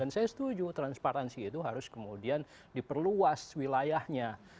dan saya setuju transparansi itu harus kemudian diperluas wilayahnya